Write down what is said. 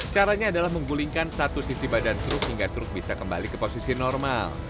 caranya adalah menggulingkan satu sisi badan truk hingga truk bisa kembali ke posisi normal